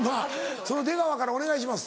その出川からお願いします。